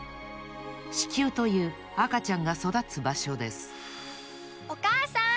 子宮という赤ちゃんがそだつばしょですおかあさん！